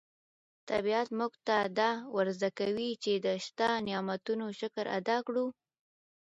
طبیعت موږ ته دا ور زده کوي چې د شته نعمتونو شکر ادا کړو.